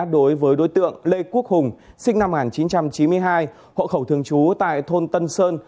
đối với đối tượng lê quốc hùng sinh năm một nghìn chín trăm chín mươi hai hộ khẩu thường trú tại thôn tân sơn